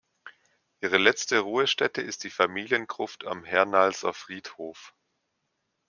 Ihre letzte Ruhestätte ist die Familiengruft am Hernalser Friedhof.